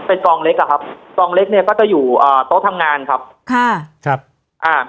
เป็นกองเล็กอะครับกองเล็กเนี้ยก็จะอยู่อ่าโต๊ะทำงานครับค่ะครับอ่า